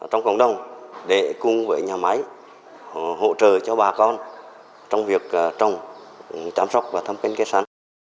trong cộng đồng để cùng với nhà máy hỗ trợ cho bà con trong việc trồng chăm sóc và thăm kinh kế sắn